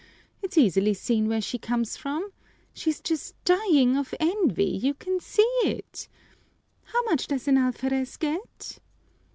It's easily seen where she comes from. She's just dying of envy, you can see it! How much does an alferez get?"